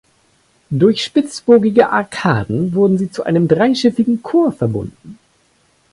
Durch spitzbogige Arkaden wurden sie zu einem dreischiffigen Chor verbunden.